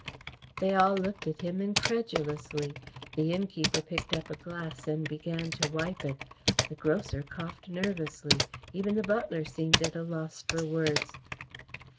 They all looked at him incredulously. The innkeeper picked up a glass and began to wipe it. The grocer coughed nervously. Even the butler seemed at a loss for words.